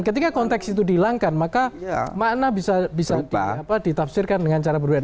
ketika konteks itu dihilangkan maka makna bisa ditafsirkan dengan cara berbeda